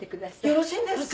よろしいんですか？